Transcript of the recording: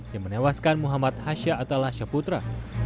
yang menewaskan muhammad hashya atalashya putra